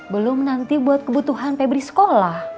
belum nanti buat kebutuhan pebri sekolah